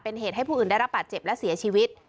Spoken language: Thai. เป็นเหตุให้ผู้อื่นได้รับบาดเจ็บและเสียชีวิต